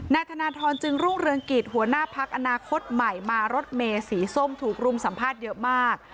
นายธนทรจึงรุ่งเรืองกิจหัวหน้าพักอนาคตใหม่มารถเมสีส้มถูกรุมสัมภาษณ์เยอะมาก